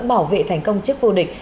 bảo vệ thành công trước vô địch